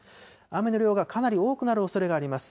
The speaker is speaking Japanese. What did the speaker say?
雨の量がかなり多くなるおそれがあります。